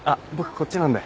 こっちなんで。